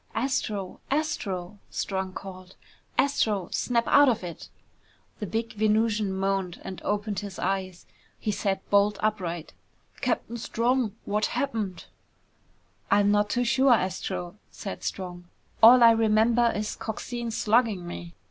"Astro, Astro " Strong called. "Astro, snap out of it!" The big Venusian moaned and opened his eyes. He sat bolt upright. "Captain Strong! What happened?" "I'm not too sure, Astro," said Strong. "All I remember is Coxine slugging me."